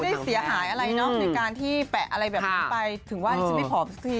ได้เสียหายอะไรเนอะในการที่แปะอะไรแบบนี้ไปถึงว่าดิฉันไม่ผอมสักที